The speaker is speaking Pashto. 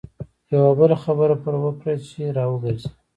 یوه بله خبره پر وکړه چې را وګرځي.